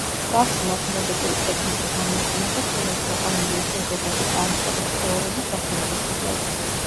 მსგავსი მათემატიკური ტექნიკა გამოიყენება ქვემოთ მოყვანილი უფრო ზოგადი კანტორის თეორემის დასამტკიცებლად.